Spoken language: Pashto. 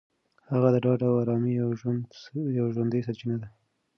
هغه د ډاډ او ارامۍ یوه ژوندۍ سرچینه ده.